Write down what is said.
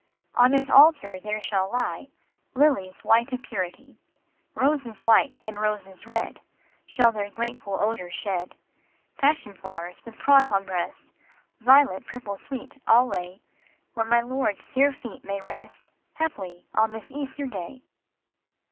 " On its altar there shall lie Lilies white of purity ; Roses white and roses red Shall their grateful odors shed ; Passion flowers with cross on breast, Violet purple sweet, I '11 lay Where my Lord's dear feet may rest, Haply on this Easter day."